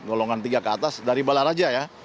angkutan tiga ke atas dari bala raja ya